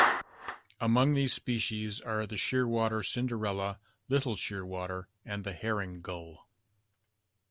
Among these species are the shearwater Cinderella, little shearwater and the herring gull.